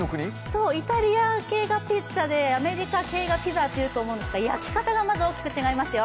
そう、イタリア系がピッツァでアメリカ系がピザというと思うんですが焼き方がまず大きく違いますよ。